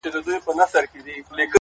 د زنده باد د مردباد په هديره كي پراته”